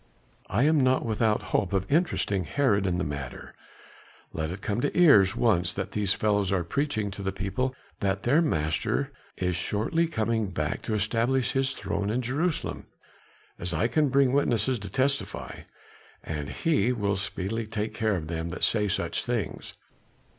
I am not without hope of interesting Herod in the matter. Let it come to his ears once that these fellows are preaching to the people that their Master is shortly coming back to establish his throne in Jerusalem as I can bring witnesses to testify and he will speedily take care of them that say such things.